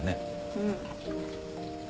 うん。